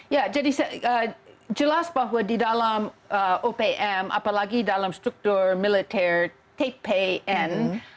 ya jadi jelas bahwa di dalam opm apalagi dalam struktur militer tpn